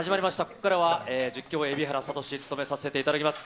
ここからは実況、蛯原哲が務めさせていただきます。